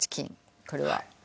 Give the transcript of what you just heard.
これは？